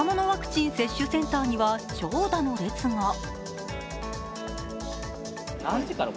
ワクチン接種センターには長蛇の列が。